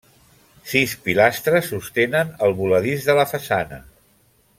Sis pilastres sostenen el voladís de la façana.